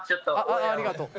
ありがとう。